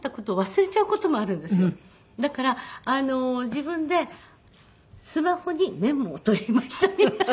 だから自分でスマホに「メモを取りました」みたいな。